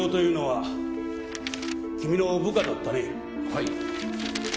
はい。